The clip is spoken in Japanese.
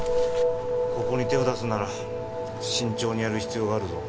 ここに手を出すなら慎重にやる必要があるぞ